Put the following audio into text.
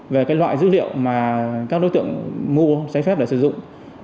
về cái loại dữ liệu mà các đối tượng mua giấy phép để sử dụng